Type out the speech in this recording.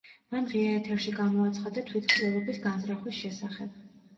მან ღია ეთერში გამოაცხადა თვითმკვლელობის განზრახვის შესახებ.